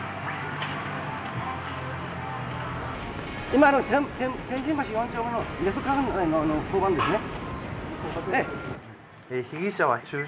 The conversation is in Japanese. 今天神橋４丁目の交番ですね。